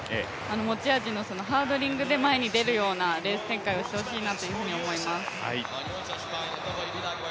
持ち味のハードリングで前に出るようなレース展開をしてほしいなと思います。